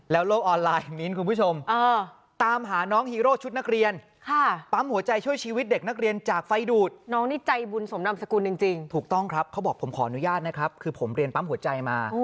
แล้วโลกออนไล่มิ้นท์คุณผู้ชม